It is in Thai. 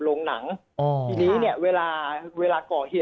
ตอนนี้ยังไม่ได้นะครับ